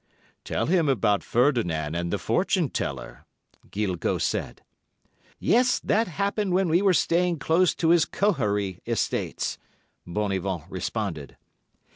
"'Tell him about Ferdinand and the fortune teller,' Guilgaut said. "'Yes, that happened when we were staying close to his Kohary estates,' Bonivon responded.